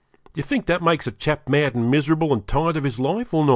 Do you think that makes a chap mad and miserable, and tired of his life, or not?